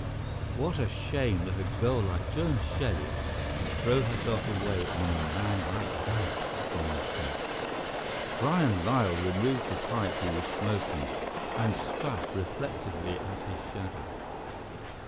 "What a shame that a girl like Joan Shelley should throw herself away on a man like that," Holmes said. Byron Lyall removed the pipe he was smoking and spat reflectively at his shadow.